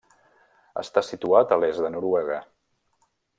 Està situat a l'est de Noruega.